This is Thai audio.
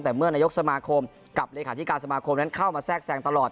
แต่เมื่อนายกสมาคมกับเลขาธิการสมาคมนั้นเข้ามาแทรกแซงตลอด